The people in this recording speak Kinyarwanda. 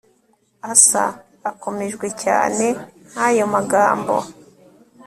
Asa akomejwe cyane nayo magambo